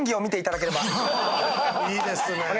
いいですね。